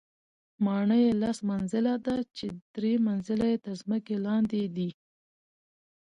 ماڼۍ یې لس منزله ده، چې درې منزله یې تر ځمکې لاندې دي.